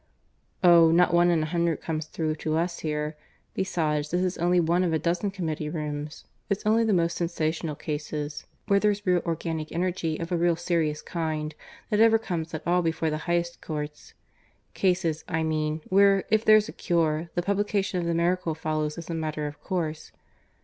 "Oh, not one in a hundred comes through to us here. Besides, this is only one of a dozen committee rooms. It's only the most sensational cases where there's real organic injury of a really serious kind that ever come at all before the highest courts. Cases, I mean, where, if there's a cure, the publication of the miracle follows as a matter of course.